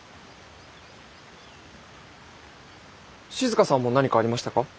静さんも何かありましたか？